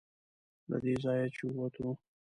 له دې ځایه چې ووتو.